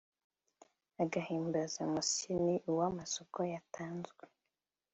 agahimbazamusyi ni uw amasoko yatanzwe